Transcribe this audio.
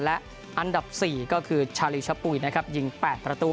และอันดับ๔ก็คือชาลิวชะปุ้ยยิง๘ประตู